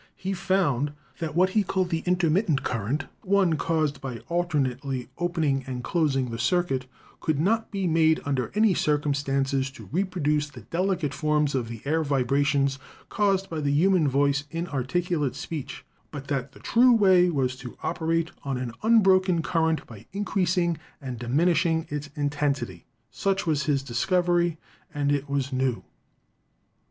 He found that what he called the intermittent current — one caused by alternately opening and closing the circuit — could not be made under any circumstances to reproduce the deli cate forms of the air vibrations caused by the human voice in articulate speech, but that the true way was to operate on an unbroken current by increasing and dimin ishing its intensity. ,.. Such was his discovery, and it was new.